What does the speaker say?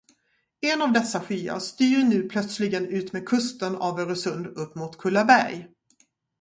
En av dessa skyar styr nu plötsligen utmed kusten av Öresund upp mot Kullaberg.